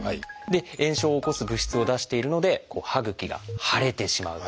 炎症を起こす物質を出しているので歯ぐきが腫れてしまう。